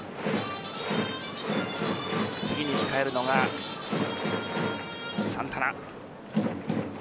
次に控えるのがサンタナ。